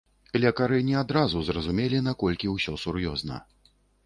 Лекары не адразу зразумелі, наколькі ўсё сур'ёзна.